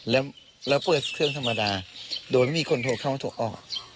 แล้วเปิดเครื่องธรรมดาโดยไม่มีคนโทรเข้าโทรออก